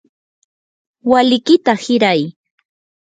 walikiyta hiray.